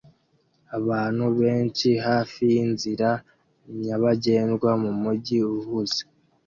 Abantu benshi hafi yinzira nyabagendwa mumujyi uhuze